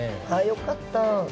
よかった。